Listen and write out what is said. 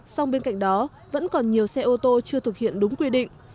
song bên cạnh đó vẫn còn nhiều xe ô tô chưa thực hiện đúng quy định